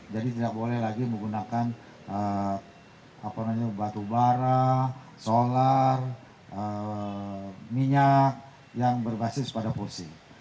jadi tidak boleh lagi menggunakan apa namanya batu bara solar minyak yang berbasis pada pusing